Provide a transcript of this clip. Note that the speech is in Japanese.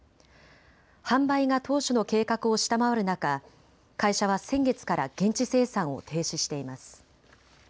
販売が当初の計画を下回る中、会社は先月から現地生産を停止しています。